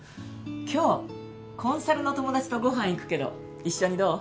今日コンサルの友達とごはん行くけど一緒にどう？